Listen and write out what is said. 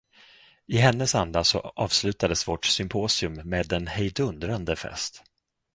I hennes anda så avslutades vårt symposium med en hejdundrande fest.